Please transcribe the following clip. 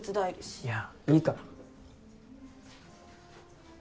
いやいいから。